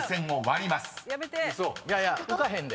いやいや浮かへんで。